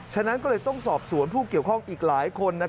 ฉะนั้นก็เลยต้องสอบสวนผู้เกี่ยวข้องอีกหลายคน